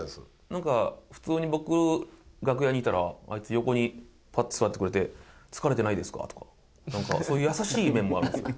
何か普通に僕楽屋にいたらあいつ横にパッと座ってくれてとか何かそういう優しい面もあるんすよ